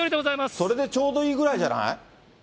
それでちょうどいいぐらいじゃない？